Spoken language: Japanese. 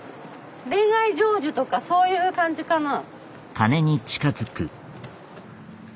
恋愛成就とかそういう感じかな？